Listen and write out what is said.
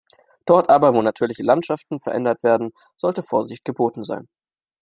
Dort aber, wo natürliche Landschaften verändert werden, sollte Vorsicht geboten sein.